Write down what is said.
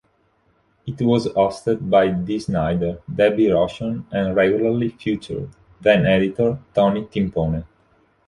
It was hosted by Dee Snider, Debbie Rochon, and regularly featured then-editor Tony Timpone.